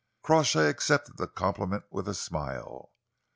Crawshay accepted the compliment with a smile.